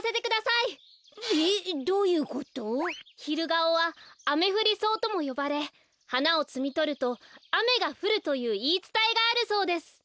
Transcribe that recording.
ヒルガオはアメフリソウともよばれはなをつみとるとあめがふるといういいつたえがあるそうです。